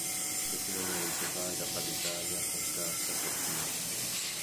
Successivamente vaga per l'Italia con scarsa fortuna.